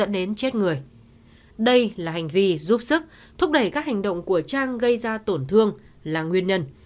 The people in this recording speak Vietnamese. đây là hành vi giúp sức thúc đẩy các hành động của trang gây ra tổn thương là nguyên nhân